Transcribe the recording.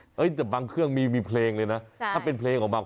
เฮ้ยแต่บางเครื่องมีเพลงเลยนะถ้าเป็นเพลงของบักต์